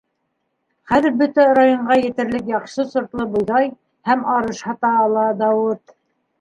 Хәҙер бөтә районға етерлек яҡшы сортлы бойҙай һәм арыш һата ала Дауыт.